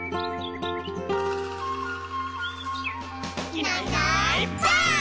「いないいないばあっ！」